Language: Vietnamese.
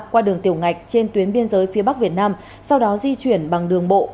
qua đường tiểu ngạch trên tuyến biên giới phía bắc việt nam sau đó di chuyển bằng đường bộ